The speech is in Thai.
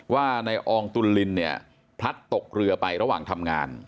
ว่านายอองตุลลินเนี่ยพลัดตกเรือไประหว่างทำงาน